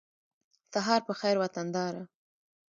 سهار په خېر وطنداره